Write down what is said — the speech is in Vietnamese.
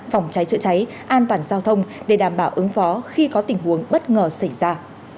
phòng cháy chữa cháy an toàn giao thông để đảm bảo ứng phó khi có tình huống bất ngờ xảy ra